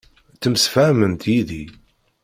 Temsefhamemt yid-i.